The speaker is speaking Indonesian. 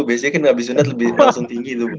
biasanya kan abis sunat lebih langsung tinggi itu bu